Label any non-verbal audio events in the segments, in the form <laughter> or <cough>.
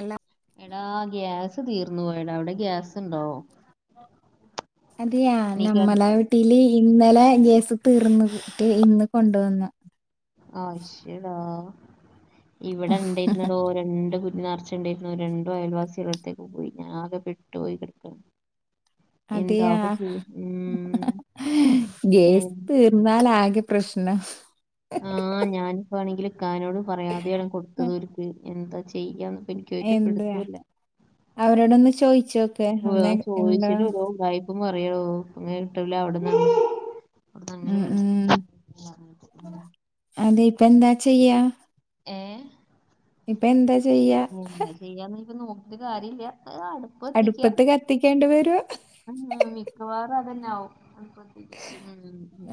അല്ല എടാ ഗ്യാസ് തീർന്നു പോ എടാ അവിടെ ഗ്യാസ്ണ്ടോ അതെയാ നഞമ്മല വീട്ടീയില് ഇന്നലെ ഗ്യാസ് തീർന്നട്ട് ഇന്ന് കൊണ്ടുവന്നു ആവശ്യടാ ഇവിടെ ഉണ്ടായിരുന്നടോ രണ്ട് കു ണ്ടയിരുന്നു രണ്ടോ അയൽവാസിക ഇളത്തേക്ക് പോയി ഞാൻ ആകെ പെട്ടു പോയി കടുക്ക അതെയാ ഏ, ഗേസ് തീർന്നാൽ ആകെ പ്രശ്ന ആഹ ഞാനിപ്പ ആണെങ്കില് കാനോട് പറയാതെയാണ് കൊടുത്തത്ുംക്ക് എന്താ ചെയ്യാം എന്താ അവരോടൊന്ന് ചോയിിച്ചോക്കെ ഒന്നേ എന്തോ ഇപ്പ പറയളോ അങ്ങന കിട്ടല അവിടന്ന അവിടെ നന്ന ഉം വിളിച്ച ഉം അതെ ഇപ്പ എന്താ ചെയ്യാ ഏ ഇപ്പൊ എന്താ ചെയ്യാ എന്താ ചെയ്യാന്ന് ഇപ്പൊ നോക്കിട്ട് കാര്യം ഇല്ല അടുപ്പത്ത് കത്തിക്കേണ്ടി വരുവ ഉ മിക്കവാറും അതന്നെ ആവും അ ടുപത്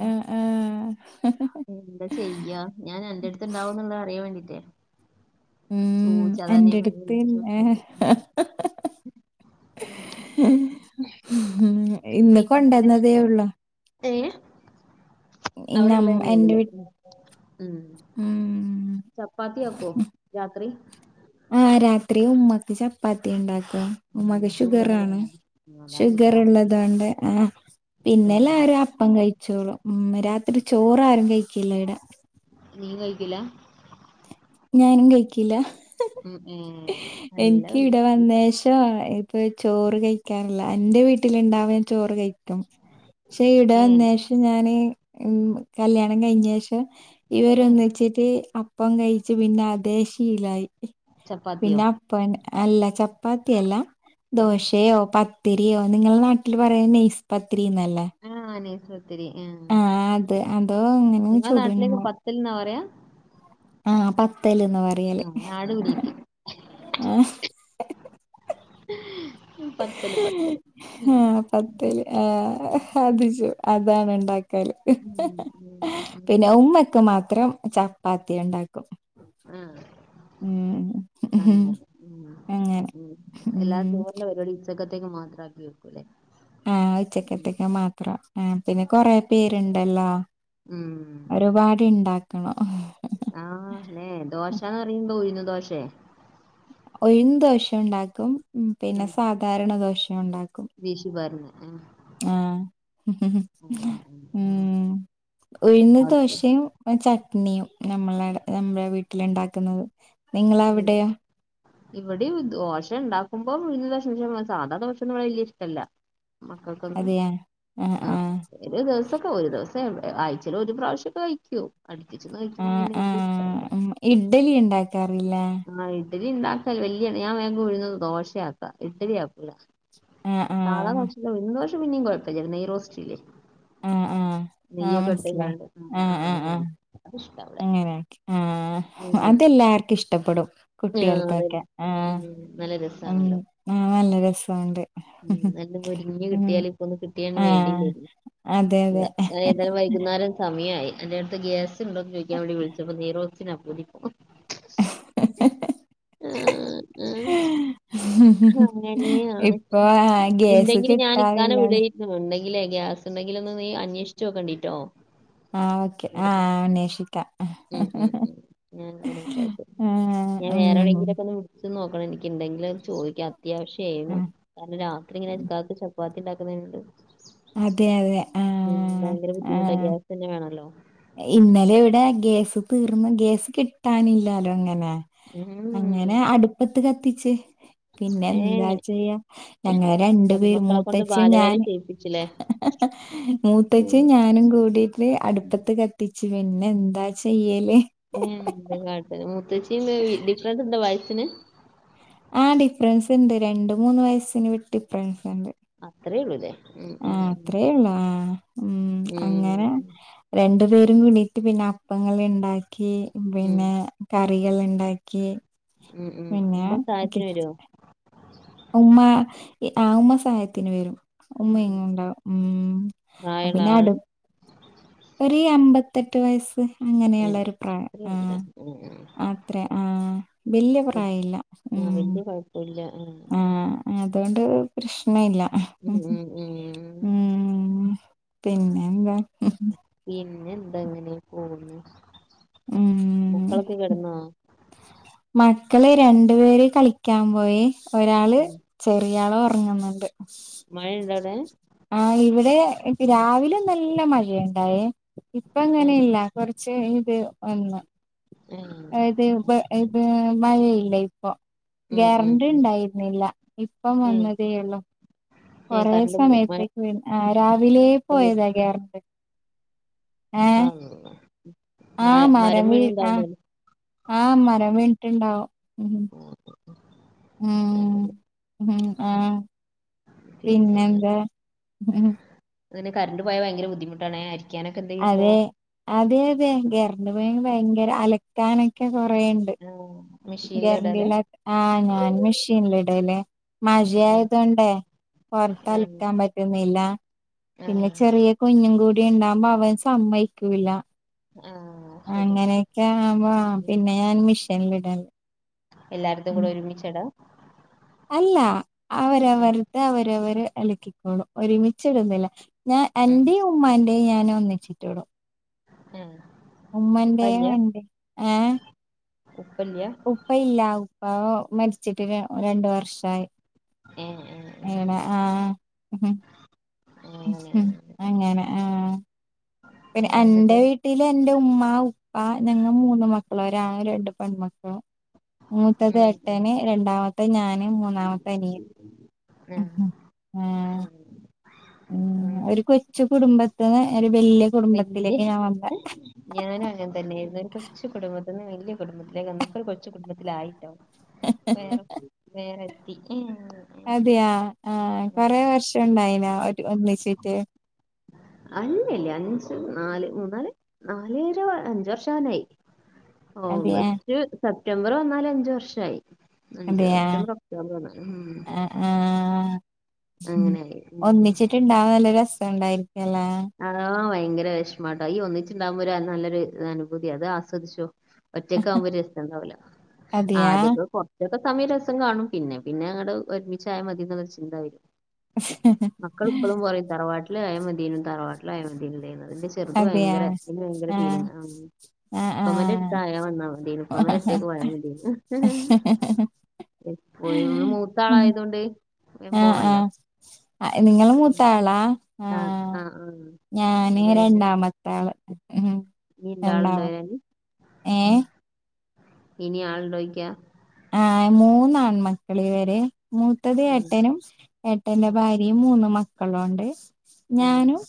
ആഹ് ആഹ് എന്താ ചെയ്യ ഞാ എന്റെ അടുത്ത്ുണ്ടാവും എന്നുള്ളത് അറിയാൻ വേണ്ടീട്ടേ ഉ ഞാൻ വേഗം എന്റെടുത്ത് വിളിച്ചു ഏർ നോക്കിയത് ഉം അങ്ങനെ ഇന്ന് പിന്നെ എന്നിട്ട് കൊണ്ടുവന്നതേ ഉള്ളു ഏ ഇ അവിടെ നം ഉള്ളത് തന്നെ എന്റെ ഉള്ളൂ വീ ഉം ഉം ചപ്പാത്തിയാക്കോ രാത്രി ഇത്രയും ഉമ്മക്ക് ചപ്പാത്തി ഉണ്ടാക്കുക ഉം ഉമ്മക്ക് എനിക്ക് ഷുഗർ ഇവിടെ ആാണ് വേണം ഉം അതാണ് ഷുഗർ രാ ഉള്ളതോണ്ട് ആ വേണല്ലേ പിന്നെല്ലാരും അപ്പം കഴി ചോള ഉ രാത്രി ചോറ ആരും കഴിക്കല്ല ഇട നീ കഴിക്കില ഞാനും കഴിക്കില്ല ഏ നല്ല എനിക്ക് ഇവിടെ ഒരു- വന്നശമാണ് ഇപ്പൊ ചോറ് കഴിക്കാറില്ല എന്റെ വീട്ടിലുണ്ടാവ ചോറ് കഴിക്ക പക്ഷെ ഇവിടെ ഏ വന്നേഷം ഞാന് ഉ കല്യാണം കഴിഞ്ഞ ശേഷം ഉം ഇവരൊന്നിച്ചിട്ട് അപ്പം കഴിച്ചു പിന്നെ അതേ ശീലായി ചപ്പാത്തിയോ പിന്നെ അപ്പൻ അല്ല ചപ്പാത്തിയല്ല ഉം ദോശയോ പ പത്തിരിയോ നിങ്ങള നാട്ടിൽ പറയുന്ന നേഴ്സ് പത്തിരിന്നല്ലേ ത്തിരി ആ അത് അതോ അങ്ങനെ നിങ്ങളെ നാട്ടിലേക്ക് പത്തിൽ എന്നാ പറയാ ആഹ പത്തല്ന്ന പറയല് ആഹ് നാട് പിടികിട്ടി ആ ഉ ആഹ പത്തല് ആ അതിു അതാണ് ഉണ്ടാക്ക ല് ഉം ഉം പിന്നെ ഉമ്മക്ക് മാത്രം ചപ്പാത്തി ഉണ്ടാക്കും ആഹ് ഉ അ അല്ലാതെ ചോറിന്റെ പരിപാടി ഉച്ചയ്ക്ക് മാത്രമാക്കി വെക്കുകലോ ആഹ ഉച്ചക്കത്തേക്കെ മാത്രം ആ പിന്നെ കൊറെ പേരുണ്ടല്ലോ ഉം ഒരുപാട് ഇണ്ടാക്കണം ദോശ ഒഴിന് ദോഷ ഉണ്ടാക്കും ഉം പിന്നെ സാധാരണ ദോഷം ഉണ്ടാക്കും വീശി പാർന്ന് ആഹ് ആഹ ഉ ഉം ഉഴുന്ന അവിടുത്തെ ദോശയും ച ചട്നിയും നമ്മള നമ്മുടെ വീട്ടിലുണ്ടാക്കുന്നത് നിങ്ങളവിടെയോ ഇവിടെ ദോശം ഉണ്ടാക്കുമ്പോ ഉഴ്ന് ദോശ സാധാരണ ദോശം ഒന്നും വലിയ ഇഷ്ടല്ല മക്കൾക്കൊന്നും അതെയാ ആഹ് ആ ആഹ് ഒരു ദിവസക്കെ ഒരു ദിവസം ടെ അയ്ച്ചാല ഒരു പ്രാവശ്യമക്കെ കഴിക്കു അടുപ്പിച്ച കഴിക്കുമ്പോ ആഹ് പിന്നെ എല ഇഷ്ടല്ല കറല്ല ഇഡലി ഉണ്ടാക്കാൽ വല്ിയ ഞാൻേങ്ങ ഒഴുന്നത് ദോശയാക്കാം ഇഡലി ആക്കൂല ആഹ് സാധാ ആഹ് വശ ഇന്ന് വോഷം പിന്നിയും കുഴപ്പമില്ലരുന്നു നെയഈറോസ്റ്റല്ലേ ആഹ് ആഹ് ആഹ് നെയ്യൊക്കെട്ടങ്ങ മനസ്സിലായി ആ് ആ അങ്ങനെയ ആ അതെല്ലാർക്കും ഇഷ്ടപ്പെടും ആഹ് അതെ കുട്ടികൾക്കൊക്കെ ആഹ ഉം നല്ല ഉ ആ നല്ല രസമുണ്ട് ഉ നല്ല മുരിഞ്ഞഞ് ഉം കിട്ടിയാല ഇപ്പൊ ഒന്ന് കിട്ടിയു ആഹ് വേണ്ടല്ലായിരുന്നു അതെ ത ഞ അതെ ഏതാനാലും വൈകുന്നേരം സമിയായി അന്റെ അടുത്ത് ഗ്യാ ഉണ്ടോന്ന് ചോദാൻ വേണ്ടി വിളിച്ചപ്പ നീറോസിന ഹഹഹഹ ആഹ് ആഹ് ഉ അങ്ങനെയാണ് ഇപ്പ ആഹ ഗ്യസ് കിട്ടാറില്ലല്ലേ േ ഗ്യാസ് ഉെില ഒന്ന് നീ അന്വേഷിച്ച നോക്കണ്ടിട്ടോ ആഹ് ഓക്കെ അവിടുന്ന് ആഹ്ന്േഷിക്ക ഉം ഉം ഉം അങ്ങനെയക്കെ ആയി ആഹ് ഞാൻ വേറെ ഉം എവിടെയെങ്കിലുംൊക്കെ ഒ വി നോക്കണം എനിക്ക് എന്തെങ്കിലും ചോദിക്കാം അത്യാവശ്യ ആായിരുന്നു ആഹ് കാരണം രാത്രി ഇങ്ങനൊലത്ത് ഉപ്പാത്തി ഉണ്ടാക്കുന്നണ്ട് അതെ അതെ ഉ ആഹ് ഭയങ്കര ബുദ്ധിമുട്ടാ ആഹ് ഗ്യാസ് തന്നെ വേണല്ലോ ഇന്നലെ ഇവിടെ ഗേസ് തീർന്ന് ഗേസ് കിട്ടാനില്ലാലോ അങ്ങനെ ഉം അങ്ങനെ അടുപ്പത്ത് കത്തിച്ച്േ പിന്നെ ഏ എന്താ ചെയ്യാ ഞങ്ങെ രണ്ടു പേര് മരുമക്കളെ കൊണ്ട് മൂത്തച്ച്ചും ബാലവേല ഞാന് ചെയ്യിപ്പിച്ചില്ലേ മൂത്തച് ഉം ഞാനും കൂടിട്ട് അടു കത്തിച് പിന്നെ എന്താ ചെയ്യല് മൂത്തച്ചിന്ന് ഡിഫറൻറ് ഉണ്ട് വയസിന് ആ ഡിഫറൻസ് ഉണ്ട് രണ്ട മൂന്ന് വയസ്സിന് വിട്ടി ഡിഫറൻസ് ഉണ്ട് ആത്ര ഇള്ളൂതേ ആ അത്രേള്ള ആ ഉം അങ്ങനെ രണ്ടു പേരും കുടി പിന്നെ അപ്പങ്ങൾ ഇണ്ടാക്കി ഉം പിന്നെ കറികൾ ഇണ്ടാക്കി ഉം ഉം പിന്നെ ഉമ്മ സഹായത്തിന് വരുവോ ഉമ്മ ആ ഉമ്മ സഹായത്തിന് വരും ഉമ്മങ്ങ ഉണ്ടാവും ഉം പ്രായള്ള പിന്നെ അടു ആളാണ് ഒരു അമ്പത്തെട്ട് വയസ്സ് അങ്ങനെയുള്ള ഏഹ് ഒരു പ്രായം ആ അത്രല്ല അത്രേ ആ വല്യ പ്രായമല്ല ആ വല്യ കൊഴപ്പല്ല ഉ അതുകൊണ്ട് പ്രശ്ന ഇല്ല ഉം ഉം ഉം പിന്നെ എന്താ പിന്നെ എന്തെങ്ങനെ പോന്നു ഉം മക്കളക്കെ കിടന്നാ മക്കള് രണ്ടു പേര് കളിക്കാൻ പോയി ഒരാള് ചെറിയാളൊറങ്ങ്ന്ന്ണ്ട് മഴ എണ്ടട ആ ഇവിടെ രാവിലെ നല്ല മഴയുണ്ടായ ഇപ്പ അങ്ങനെ ആഹ് ഇല്ല കൊറച്ച് ഇത് ഒന്ന് ആഹ് ഇത് പ്പ ഇത് മഴ ഇല്ല ഇ അപ്പ ഉം ഉം ഗ്യാരന്റി ഉം ണ്ടായിരുന്നില്ല ഇപ്പം ഏഹ് വന്നതേ ഉള്ളൂ ഏഹ് കൊറെേ കറണ്ട് പോവും മഴ സമയത്തേക്ക് വീ ആ രാവിലെ പോയതാ ഗ്യാരന്റ് ആ ആ മരം വീ ആ ആ മരം വീണിട്ടുണ്ടാവോ ഉ ആഹ് ഉം അങ്ങനെ ഹ ആഹ പിന്നെ എന്നാ? പിന്നെന്താ കറണ്ട് പോയ ഭയങ്കര ബുദ്ധിമുട്ടാണെ അതെ അതെ അതെ ഗരണ്ട പോ ഭയങ്കര അലക്കാനൊക്കെ പറയണ്ട് ആഹ് മെഷീനില് ഇടലാ ഗരണ്ടില ആ ഞാൻ മെഷീനിടല മയ ഉം ഉം ആയതൊണ്ടേ പൊറത്ത് ആഹ് അലക്കാൻ പറ്റുന്നില്ല പിന്നെ ആഹ് ചെറിയ കുഞ്ഞ് കൂടി ഉണ്ടാവുമ്പോ അവൻ സമ്മയ്ക്കൂല ആഹ് ശരിയാ അങ്ങനെയക്കെ ആവുമ്പോ ഉം പിന്നെ ഞാൻ മിഷനില് ഇടല് എല്ലാരതും കൂടെ ഒരുമിച്ചടാ അല്ല ഉം അവരവരത് അവരവര് അലക്കിക്കോളും ഒരുമിച്ചിടന്നില്ല ഞാൻ ഉം എന്റെയും ഉമ്മാന്റെയും ഞാൻ ഒന്നിച്ചിട്ടോളും അ ഉമ്മന്റെ എന്റെ ഹേ ഉപ്പല്ല്യ ഉപ്പ ഇല്ല ഉപ്പ മരിച്ചിട്ട് രണ്ട് വർഷായി ഏഹ് ഏഹ് ഏഹ് ഏടാ ആഹ അങ്ങനെ ആഹ് പിന്നെ അങ്ങനെ അന്റെ എന്നിട്ട് വീട്ടില് എന്റെ ഉമ്മ ഉപ്പ ഞങ്ങ മൂന്ന് മക്കളാണ് ഒര് ആണ് രണ്ട് പെൺമക്കളും മൂത്തത് ഉം ഉം എട്ടന് രണ്ടാമത്തെ ഞാന് മൂന്നാമത്ത അനിയൻ ആഹ് ആഹ ആഹ് ഉം ആഹ് ഒരു കൊച്ചുകുടുംബത്തിന് വല്യ ഞാനും അങ്ങനെ തന്നൊയിരുന്നു ഒരു കൊ കൊച്ചു കുടുംബത്തിൽ നിന്ന് വലിയ കുടുംബത്തിലേക്ക് വന്ന്പ്പോൾ കൊച്ച് കുടുംബത്തിലായിട്ടോ വേറെ വേറത്തി എങ്ങനെ ഒന്നിച്ചിട്ട് അല്ലല്ലേ അഞ്ച് നാല് മൂന്നാല് നാലര അഞ്ചു വർഷംആവനായി അതെയാ ഓഗസ്റ്റ് സെപ്റ്റംബർ വന്നാല് അഞ്ച് വർഷായി അഞ്ച് അതെയാ സെപ്റ്റംബർ ഒക്ടോബർ വന്നാല് ഉം ആ ആഹ അങ്ങനെയായി ഉം ഒന്നിച്ചിട്ടുണ്ടാവൻ നല്ല രസംണ്ടായി ആ ഭയങ്കര വിഷമാട്ടാ ഈ ഒന്നിച്ചിണ്ടാവുമ്പോ ഒരു അ നല്ലൊരു അനുഭൂതിയ അത് ആസ്വദിച്ചോ ഒറ്റക്കെ ആവുമ്പോ ഒരു രസണ്ടാവൂല ആ അതെയാ ആദ്യ കൊറച്ചൊക്കെ- സമയ രസം കാണും പിന്നെ പിന്നെ അങ്ങ്ട് ഒരുമിച്ചായ മതി എന്നുള്ളരു ചിന്ത വരും മക്കൾ ഇപ്പളും പറയും തരവാട്ടില് ആ യമതീനൂന്നു തരവാട്ടില് ആയമതീനൂന്ന് അതിന്റെ ചെറുത് അതെയാ ഭയങ്കര അന് ഭയങ്കര ആഹ് ഫീലിങ് ആ ആഹ് കമലടുത്ത് <unintelligible> ആഹ് ആയാ വന്നാ മതീന്നു കമല <unintelligible> അടുത്തേക്ക് പോയാൽ മതീന്നു എപ്പോഴും മൂത്ത ആളായത കൊണ്ട് ആ ആ നിങ്ങൾ മൂത്തളാ ആഹ ആഹ ആഹ ന വേ രണ്ടാമത്തെ ആള് നീ എന്ത ആളുണ്ട വര <unintelligible> ഏ ഇനി ആരോട് ചോദിക്കുവാ ആ മൂന്ന് ആൺ മക്കള ഇവരെ- മൂത്തത് ഉം ഏട്ടനും ഏട്ടന്റെ ഉം ഭാര്യയും മൂന്നും മക്കളും ഉണ്ട് ഉം ഞാനും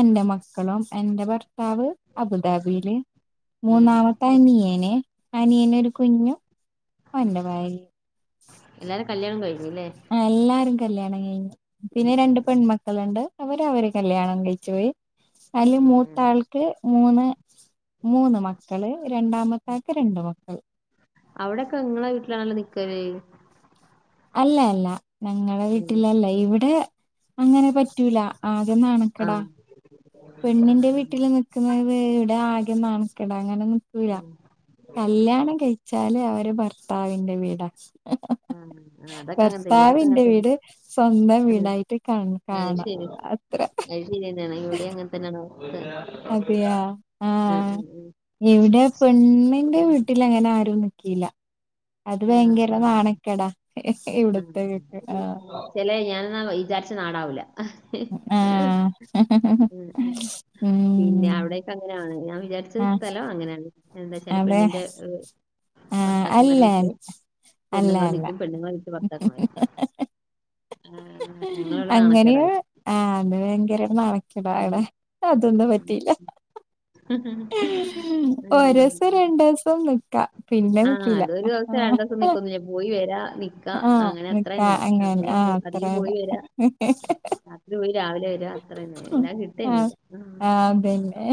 എന്റെ മക്കളും എന്റെ ഭർത്താവ്- അബുദാബിയില് ഉം മൂന്നാമത്ത് ഉം അനിയന് അനിയന് ഒരു കുഞ്ഞും- ഉം ഓന്റെ ഭാര്യയും എല്ലാരും കല്യാണം കഴിഞ്ഞോ ആ എല്ലാരും കല്യാണം കഴിഞ്ഞു ഉം പിന്നെ രണ്ട് ഉം ഉം പെൺമക്കളുണ്ട് അവര അവര് കല്യാണം കഴിച്ചുപോയി അതില് ഉം ഉം മൂത്താൾക്ക് മൂന്ന്- മൂന്ന് മക്കള് രണ്ടാമത്താക്ക് രണ്ട് മക്കൾ അവിടെക്കെ നിങ്ങളെ വീട്ടിലാണല്ലോ നിക്കല് അല്ല അല്ല ഞങ്ങളെ ആഹ് വീട്ടിലല്ല ഇവിടെ- അങ്ങനെ പറ്റൂല ആകെ നാണക്കടാ ആഹ് പെണ്ണിന്റെ ആഹ് വീട്ടിൽ നിക്കുന്നത് ഇവിടെ ആകെ നാണക്കേടാ അങ്ങനെ ഒന്നും - <inaudible> കല്യാണം കഴിച്ചാല് അവര് ഭർത്താവിന്റെ വീടാ ആഹ് അതൊക്കെ അങ്ങനത്തെ ഇവിടൊക്കെ അങ്ങനെ ഭർത്താവിന്റെ തന്നെ വീട് സ്വന്തം വീടായിട്ട് കാണാ- ഇവിടേം അങ്ങനെ തന്നെയാണ് അവസ്ഥ അതെയാ ഉം ആഹ് ഉം ഇവിടെ പെണ്ണിന്റെ ഉം വീട്ടിലങ്ങനെ ആരും- അത് ആഹ് ഭയങ്കര ആഹ് നാണക്കെടാ ഇവിടത്തേക്കൊക്കെ ആഹ് എന്നാ വിചാരിച്ച നാടാവൂല്ല ഉം ആഹ് പിന്നെ ഉം അവിടക്ക അങ്ങനെയാണ് ഞാൻ വിചാരിച്ച ആഹ് സ്ഥലം അങ്ങനെയാണ് എന്താച്ചാല് അതെ പെണ്ണിന്റെ ആഹ് അല്ല ഭർത്താക്കന്മാരെ വീട്ടില്- അല്ല പെണ്ണുങ്ങൾ അല്ല നിക്കും പെണ്ണുങ്ങള് നിക്കും ഭർത്താക്കന്മാരും അങ്ങനെയ ആ അത് ഭയങ്കര ഉം. നാണ- അതൊന്നും പറ്റിയില്ല ഒരൂസം രണ്ട്‌ ദിവസം പിന്നെ ആഹ് നിക്കില്ല അതൊരു ദിവസം രണ്ടൂസം നിക്കൊന്നുല്ല. പോയി വരാ നിക്കാ ആഹ് അങ്ങനെ നിക്ക അത്രന്നെ. അങ്ങന്നെ അങ്ങനെ ആഹ് പോ- അധികം അത്രന്നെ പോയി വരാ രാത്രി പോയി രാവിലെ വര അത്ര തന്നെ എല്ലാം കിട്ട ആഹ് തന്നെ ആഹ് ഇല്ല അതന്നെ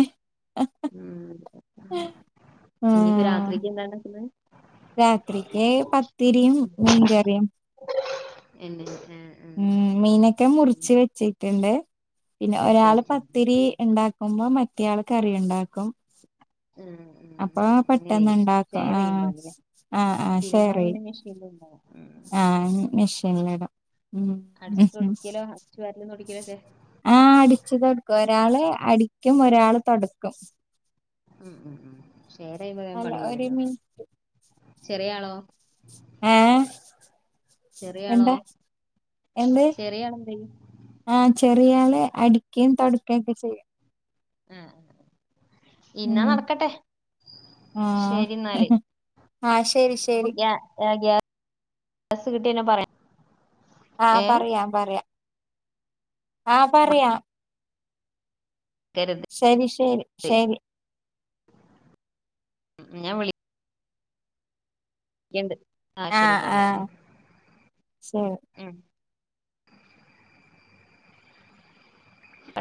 ഇനിയിപ്പൊ ആഹ് രാത്രിക്ക് എന്താണ്ടാക്കുന്നത് രാത്രിക്ക് പത്തിരിയും മീൻകറിയും എന്നെ ആ ആ ഉം മീനൊക്കെ മുറിച്ച് വെച്ചിട്ടുണ്ട് പിന്നെ ഒരാള് സെറ്റാക്കി പത്തിരി ണ്ടാക്ക ക്കുമ്പം മറ്റയാള് കറിയുണ്ടാക്കും ആ ആ അപ്പൊ അങ്ങനെ ചെയ്യും പെട്ടെന്നണ്ടാക്കും ഷെയർ ആഹ് ചെയ്യുമ്പോല്ലേ ആഹ് ആഹ് ഷെയർ തിരുമ്പാന് ചെയ്യും <unintelligible> ആഹ് മെഷീനിലിടും ഉം അടിച്ചു തൊടക്കലോ അടിച്ചു വാരലും തൊടക്കലൊക്കെ ആ അടിച്ച് തൊടുക്കും ഒരാള് അടിക്കും ഒരാള് തൊടക്കും ഉം ഉം ഷെയർ ചെയ്താ വേം അല്ല പണി ഒരു കയ്യല്ലോ മി ചെറിയ ആളോ ആഹ് ചെറയാളോ ചെറയാളെന്തേ? ആഹ് ചെറിയള് അടിക്കയും തൊടുക്കൊക്കെ ചെയ്യും ആഹ് ഇന്നാ ഉം നടക്കട്ടെ ആ ശരി ന്നാല് ആ ശരി അപ്പൊ ശരി ബസ് കിട്ടിയ ഞാൻ പറയാ ആഹ് പറയാ പറയാ ആഹ് പറയാ മറക്കരുത് ശരി ശരി ശരി ഞാൻ വിളിക്ക എന്ത്‌ ആഹ് ശരിന്നാല് ശെ